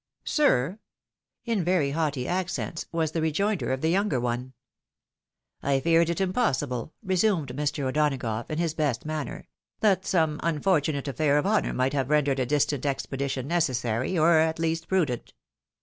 " Sir? "— ^in very haughty accents, was the rejoinder of the younger one. " I feared it possible," resumed Mr. O'Donagough, in his best manner, " that some' unfortunate affair of honour might have rendered a distant expedition necessary, or at least prudent."